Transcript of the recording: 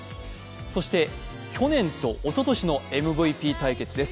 そして去年とおととしのＭＶＰ対決です。